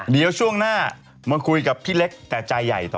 เดี๋ยวช่วงหน้ามาคุยกับพี่เล็กแต่ใจใหญ่ต่อ